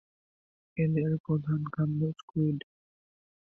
এদের প্রধান খাদ্য স্কুইড।